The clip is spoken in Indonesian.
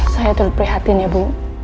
saya terperhatinya bu